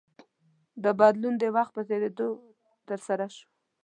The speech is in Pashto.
دا بدلون د وخت په تېرېدو ترسره شو.